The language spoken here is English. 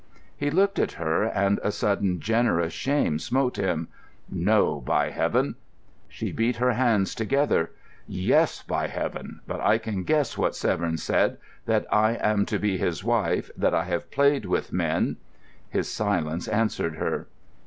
He looked at her, and a sudden generous shame smote him. "No, by Heaven!" She beat her hands together. "Yes, by Heaven! But I can guess what Severn said: that I am to be his wife, that I have played with men——" His silence answered her.